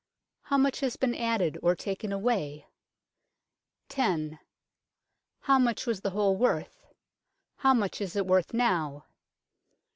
How much has been added or taken away ? 10. How much was the whole worth ? How much is it worth now